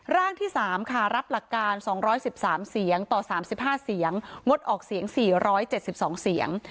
ร่างที่๓ค่ะรับหลักการ๒๑๓เสียงต่อ๓๕เสียงงดออกเสียง๔๗๒เสียง